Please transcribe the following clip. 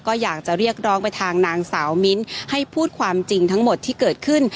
ก็อยากจะเรียกร้องไปทางนางสาวมิ้นให้พูดความจริงทั้งหมดที่เกิดขึ้น